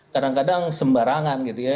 kadang kadang sembarangan gitu ya